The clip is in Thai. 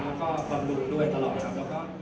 แล้วก็ความรู้ด้วยตลอดครับ